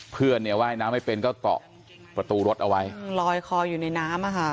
เพื่อนเนี่ยว่ายน้ำไม่เป็นก็เกาะประตูรถเอาไว้ลอยคออยู่ในน้ำอ่ะค่ะ